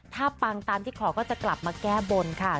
ถ้าปังตามที่ขอก็จะกลับมาแก้บนค่ะ